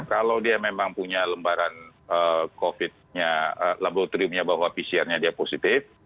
kalau dia memang punya lembaran covid nya laboratoriumnya bahwa pcr nya dia positif